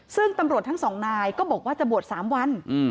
ซึ่งตำรวจทั้งสองนายก็บอกว่าจะบวช๓วัน